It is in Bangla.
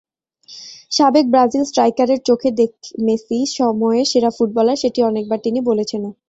সাবেক ব্রাজিল স্ট্রাইকারের চোখে মেসি সময়ের সেরা ফুটবলার, সেটি অনেকবার তিনি বলেছেনও।